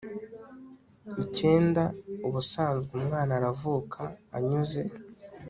icyenda ubusanzwe umwana aravuka anyuze